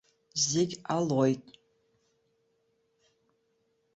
Зегь ҟалоит.